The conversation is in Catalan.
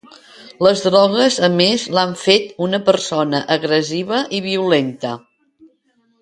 Les drogues a més l'han fet una persona agressiva i violenta.